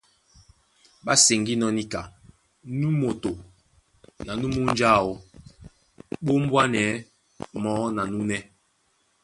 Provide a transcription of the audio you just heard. Ɓá seŋgínɔ́ níka nú moto na nú munja áō ɓá ombwanɛ̌ mɔɔ́ na núnɛ́.